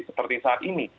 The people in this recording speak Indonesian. seperti saat ini